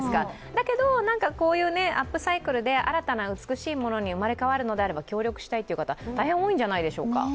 だけど、こういうアップサイクルで新たな美しいものに生まれ変わるのであれば協力したいという方、大変多いんじゃないでしょうか。